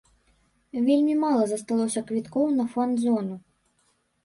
Вельмі мала засталося квіткоў на фан-зону.